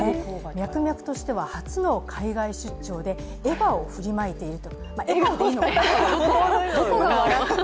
ミャクミャクとしては初の海外出張で笑顔を振りまいている笑顔でいいのかな？